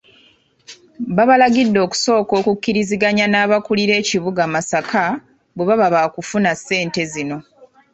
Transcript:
Babalagide okusooka okukkiriziganya n'abakulira ekibuga Masaka bwe baba baakufuna ssente zino.